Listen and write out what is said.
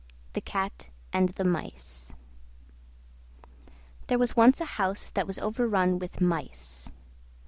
THE CAT AND THE MICE There was once a house that was overrun with Mice.